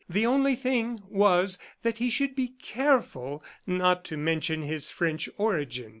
The only thing was that he should be careful not to mention his French origin.